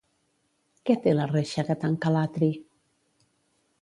Què té la reixa que tanca l'atri?